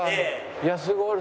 いやすごい！